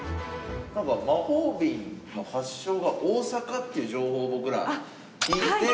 魔法瓶の発祥が大阪っていう情報を僕ら聞いて。